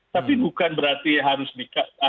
tapi bukan berarti harus di